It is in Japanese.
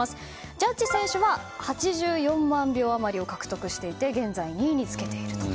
ジャッジ選手は８４万票余りを獲得していて現在２位につけていると。